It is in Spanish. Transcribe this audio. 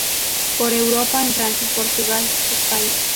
Por Europa en Francia, Portugal, España.